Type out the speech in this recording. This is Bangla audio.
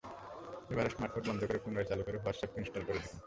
এবার স্মার্টফোন বন্ধ করে পুনরায় চালু করে হোয়াটসঅ্যাপ ইনস্টল করে দেখুন।